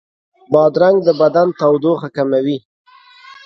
بادرنګ د بدن تودوخه کموي.